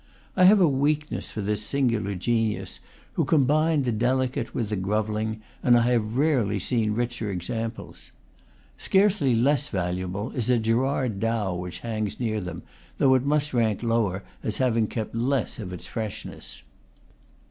I have a weak ness for this singular genius, who combined the delicate with the grovelling, and I have rarely seen richer examples. Scarcely less valuable is a Gerard Dow which hangs near them, though it must rank lower as having kept less of its freshness.